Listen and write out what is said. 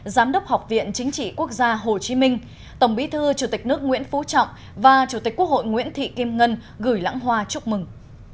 giám đốc học viện chính trị quốc gia hồ chí minh tổng bí thư chủ tịch nước nguyễn phú trọng và chủ tịch quốc hội nguyễn thị kim ngân gửi lãng hoa chúc mừng